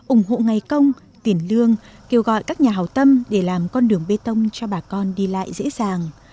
ủng hộ ngày công tiền lương kêu gọi các nhà hào tâm để làm con đường bê tông cho bà con đi lại dễ dàng